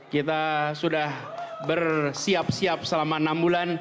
kita sudah bersiap siap selama enam bulan